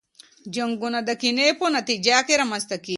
جنګونه د کینې په نتیجه کي رامنځته کیږي.